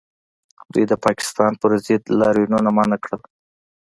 دوی د پاکستان پر ضد لاریونونه منع کړل